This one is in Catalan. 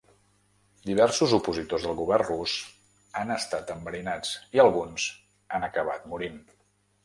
Diversos opositors del govern rus han estat enverinats, i alguns han acabat morint.